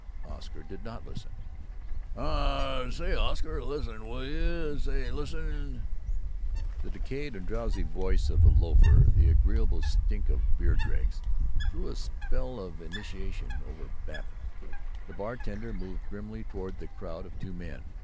Oscar did not listen. "Aw, say, Oscar, listen, will yuh? Say, lis sen!" The decayed and drowsy voice of the loafer, the agreeable stink of beer dregs, threw a spell of inanition over Babbitt. The bartender moved grimly toward the crowd of two men.